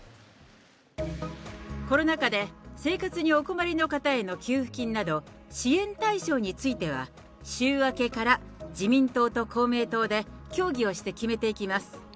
コロナ禍で生活にお困りの方への給付金など、支援対象については、週明けから自民党と公明党で協議をして決めていきます。